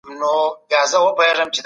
ملي ګټي څنګه ساتل کېږي؟